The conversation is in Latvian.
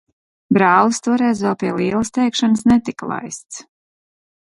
Brālis toreiz vēl pie lielas teikšanas netika laists.